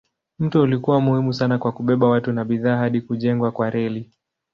Mto ulikuwa muhimu sana kwa kubeba watu na bidhaa hadi kujengwa kwa reli.